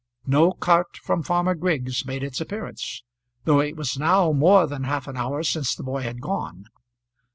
No cart from Farmer Griggs made its appearance, though it was now more than half an hour since the boy had gone.